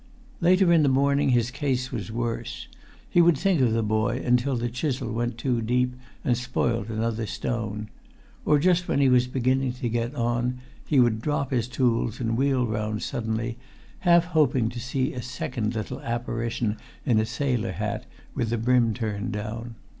Later in the morning his case was worse. He would think of the boy until the chisel went too deep and spoilt another stone. Or, just when he was beginning to get on, he would drop his tools and wheel round suddenly, half hoping to see a second little apparition in a sailor hat with the brim turned down.